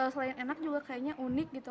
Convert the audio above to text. selain enak juga kayaknya unik gitu